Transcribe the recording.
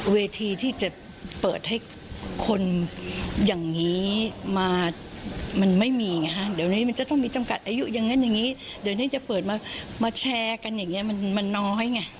เวทีที่จะเปิดให้คนอย่างนี้มามันไม่มีไงฮะเดี๋ยวนี้มันจะต้องมีจำกัดอายุอย่างนั้นอย่างนี้เดี๋ยวนี้จะเปิดมามาแชร์กันอย่างนี้มันน้อยไง